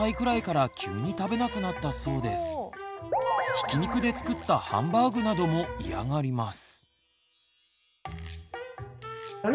ひき肉で作ったハンバーグなども嫌がります。